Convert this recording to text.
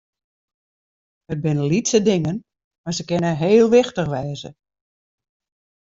It binne lytse dingen, mar se kinne heel wichtich wêze.